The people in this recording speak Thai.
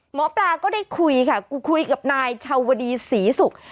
หมอปลาก็ได้คุยค่ะกูคุยกับนายชาวดีศรีศุกร์